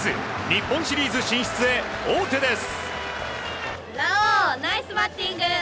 日本シリーズ進出へ王手です！